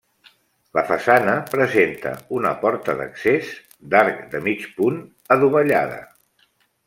La façana presenta una porta d'accés d'arc de mig punt, adovellada.